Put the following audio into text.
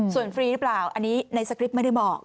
ส่วนฟรีหรือเปล่าอันนี้ในสคริปต์ไม่ได้บอก